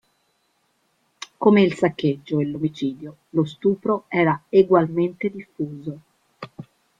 Come il saccheggio e l'omicidio, lo stupro era egualmente diffuso.